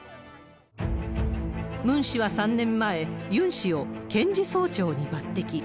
ムン氏は３年前、ユン氏を検事総長に抜てき。